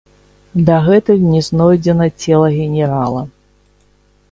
Дагэтуль не знойдзена цела генерала.